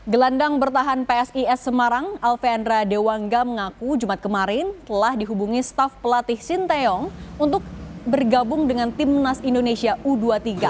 gelandang bertahan psis semarang alvendra dewangga mengaku jumat kemarin telah dihubungi staff pelatih sinteyong untuk bergabung dengan timnas indonesia u dua puluh tiga